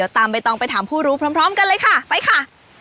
ตามใบตองไปถามผู้รู้พร้อมกันเลยค่ะไปค่ะ